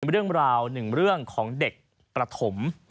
เรื่องราวหนึ่งเรื่องของเด็กประถม